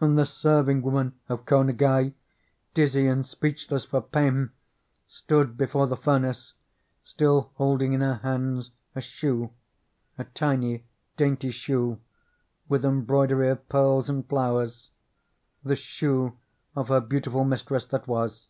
And the serving woman of Ko Ngai, dizzy and speechless for pain, stood before the furnace, still holding in her hands a shoe, a tiny, dainty shoe, with embroidery 142 THE SOUL OF THE GREAT BELL of pearls and flowers, — the shoe of her beautiful mis tress that was.